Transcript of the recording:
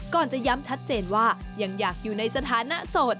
จะย้ำชัดเจนว่ายังอยากอยู่ในสถานะโสด